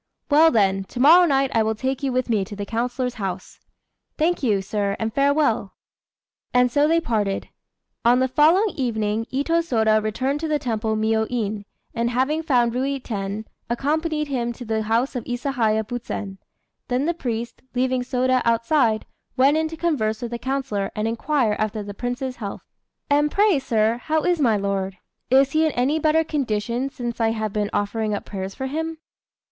"Well, then, to morrow night I will take you with me to the councillor's house." "Thank you, sir, and farewell." And so they parted. On the following evening Itô Sôda returned to the temple Miyô In, and having found Ruiten, accompanied him to the house of Isahaya Buzen: then the priest, leaving Sôda outside, went in to converse with the councillor, and inquire after the Prince's health. "And pray, sir, how is my lord? Is he in any better condition since I have been offering up prayers for him?"